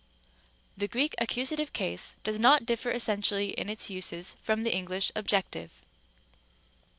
The Greek accusative case does not differ essentially in its uses from the English objective.